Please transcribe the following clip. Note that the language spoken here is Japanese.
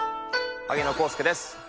萩野公介です。